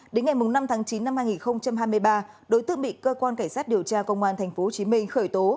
đến ngày năm tháng chín năm hai nghìn hai mươi ba đối tượng bị cơ quan cảnh sát điều tra công an tp hcm khởi tố